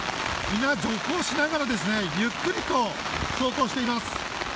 皆、徐行しながら、ゆっくりと走行しています。